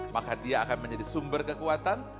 maka dia akan menjadi sumber kekuatan